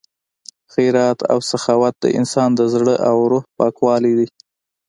خیرات او سخاوت د انسان د زړه او روح پاکوالی دی.